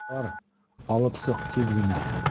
Бар, алып сыҡ тиҙ генә!